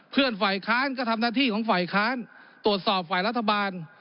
เพื่อนฝ่ายค้านก็ทำหน้าที่ของฝ่ายค้านตรวจสอบฝ่ายรัฐบาล